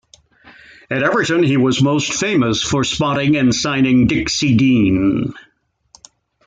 At Everton he was most famous for spotting and signing Dixie Dean.